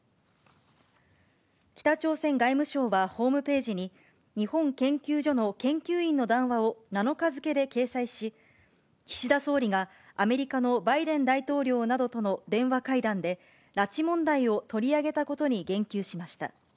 北朝鮮外務省はホームページに、日本研究所の研究員の談話を７日付で掲載し、岸田総理がアメリカのバイデン大統領などとの電話会談で、拉致問題を取り上げたことに言及しました。